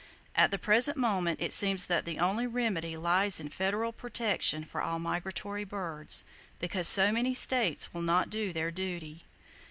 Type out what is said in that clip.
At the present moment it seems that the only remedy lies in federal protection for all migratory birds,—because so many states will not do their duty.